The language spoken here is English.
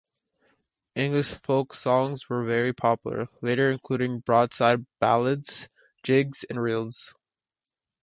English folk songs were very popular, later including broadside ballads, jigs and reels.